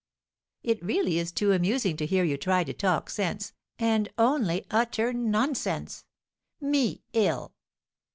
It really is too amusing to hear you try to talk sense, and only utter nonsense! Me ill!"